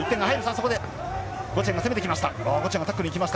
そこでゴチェンが攻めてきました。